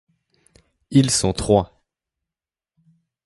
Ils sont trois.